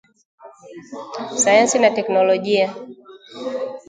sayansi na teknolojia